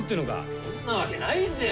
そんなわけないぜよ。